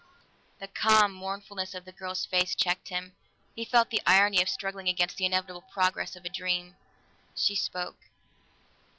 The calm mournfulness of the girl's face checked him; he felt the irony of struggling against the inevitable progress of a dream. She spoke.